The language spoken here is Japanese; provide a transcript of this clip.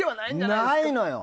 ないのよ。